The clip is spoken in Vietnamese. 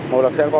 một lần xem thôi